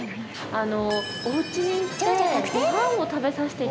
あの。